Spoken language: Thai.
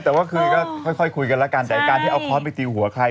แต่ว่าคือก็ค่อยคุยกันแล้วกันแต่การที่เอาค้อนไปตีหัวใคร